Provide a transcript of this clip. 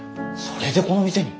それでこの店に？